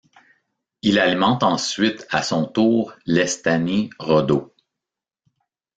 Il alimente ensuite à son tour l'Estany Rodó.